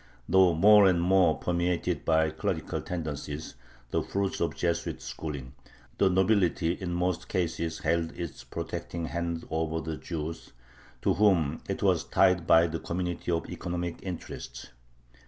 Though more and more permeated by clerical tendencies, the fruit of Jesuit schooling, the nobility in most cases held its protecting hand over the Jews, to whom it was tied by the community of economic interests.